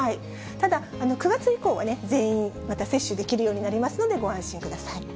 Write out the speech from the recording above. ただ、９月以降は全員、また接種できるようになりますのでご安心ください。